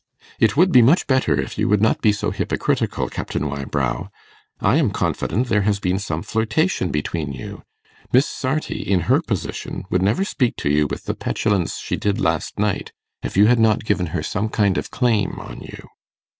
'It would be much better if you would not be so hypocritical, Captain Wybrow. I am confident there has been some flirtation between you. Miss Sarti, in her position, would never speak to you with the petulance she did last night, if you had not given her some kind of claim on you.